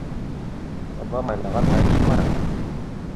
Таба майлаған һайын шымара.